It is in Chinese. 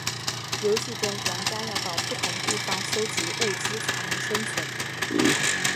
游戏中玩家要到不同地方搜集物资才能生存。